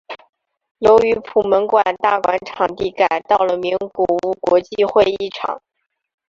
由于普门馆大馆场地改到了名古屋国际会议场。